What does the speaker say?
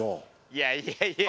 いやいや。